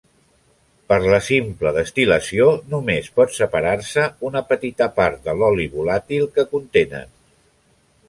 Per la simple destil·lació només pot separar-se una petita part de l'oli volàtil que contenen.